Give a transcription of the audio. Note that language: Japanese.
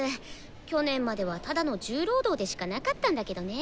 去年まではただの重労働でしかなかったんだけどね。